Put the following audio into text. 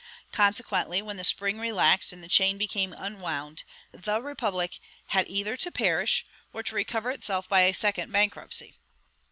Consequently, when the spring relaxed and the chain became unwound, the republic had either to perish, or to recover itself by a second bankruptcy.